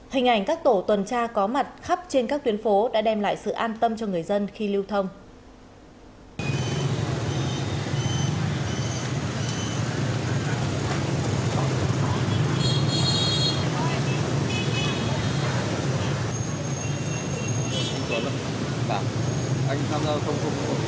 hình ảnh các tổ tuần tra có mặt khắp trên các tuyến phố đã đem lại sự an tâm cho người dân khi lưu thông